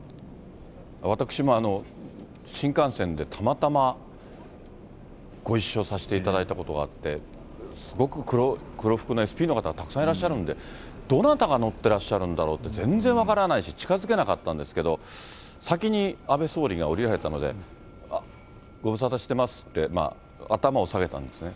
私も新幹線でたまたまご一緒させていただいたことがあって、すごく黒服のＳＰの方がたくさんいらっしゃるんで、どなたが乗ってらっしゃるんだろうって、全然分からないし、近づけなかったんですけど、先に安倍総理が降りられたので、あっ、ご無沙汰してますって、頭を下げたんですね。